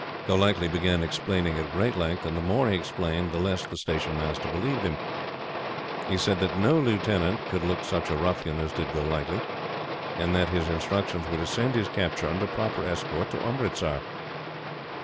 Golightly began explaining at great length; and the more he explained the less the Station Master believed him. He said that no Lieutenant could look such a ruffian as did Golightly, and that his instructions were to send his capture under proper escort to Umritsar.